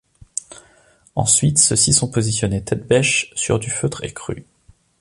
Ensuite, ceux-ci sont positionnés tête-bêche sur du feutre écru.